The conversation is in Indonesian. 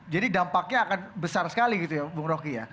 jadi dampaknya akan besar sekali gitu ya bung rocky ya